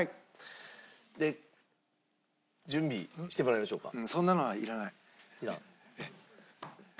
で準備してもらいましょうか。